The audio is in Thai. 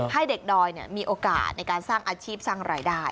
ให้เด็กดอยมีโอกาสในการสร้างอาชีพสร้างรายได้